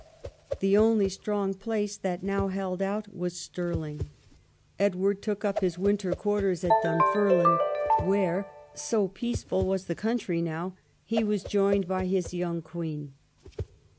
The only strong place thai now held out was Stirling. Edward took up xil THE CONQUEST OF SCOTLAND 215 his winter quarters at Dunfermline, where (so peaceful was the country now) he was joined by his young queen.